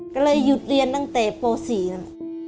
ก็เลยหยุดเรียนตั้งแต่ป๔นั่น